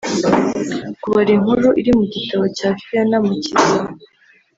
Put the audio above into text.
kubara inkuru iri mu gitabo cya Fiona Mukiza